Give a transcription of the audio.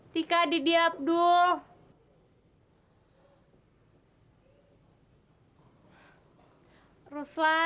tika didi abdul